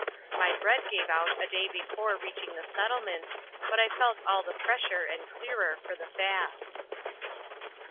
My bread gave out a day before reaching the settlements, but I felt all the fresher and clearer for the fast.